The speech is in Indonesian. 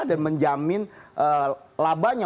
dan menjamin labanya